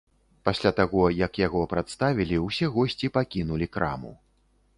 Пасля таго, як яго прадставілі, усе госці пакінулі краму.